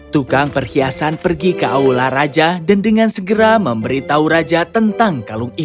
tukang perhiasan pergi ke aula raja dan dengan segera memberitahu raja tentang kalung ini